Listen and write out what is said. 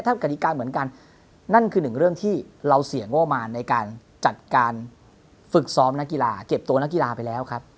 ถ้ากฎิกาเหมือนกันนั่นคือหนึ่งเรื่องที่เราเสี่ยงงบมารในการจัดการฝึกซ้อมนักกีฬาเก็บตัวนักกีฬาไปแล้วครับ